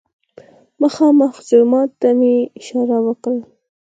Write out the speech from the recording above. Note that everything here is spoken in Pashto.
مخامخ جومات ته مې اشاره وکړه.